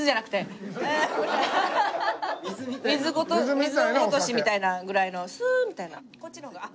如水みたいなぐらいのスーッ！みたいな。